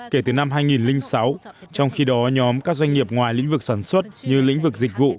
kể từ năm hai nghìn sáu trong khi đó nhóm các doanh nghiệp ngoài lĩnh vực sản xuất như lĩnh vực dịch vụ